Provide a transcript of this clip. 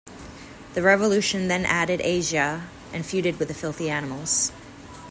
The Revolution then added Asya and feuded with The Filthy Animals.